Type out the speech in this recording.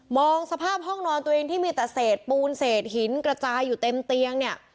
สภาพห้องนอนตัวเองที่มีแต่เศษปูนเศษหินกระจายอยู่เต็มเตียงเนี่ย